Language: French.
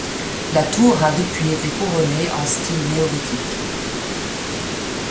La tour a depuis été couronné en style néogothique.